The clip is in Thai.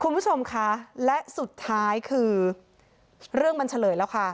คุณผู้ชมค่ะและสุดท้ายคือเรื่องมันเฉลยแล้วค่ะ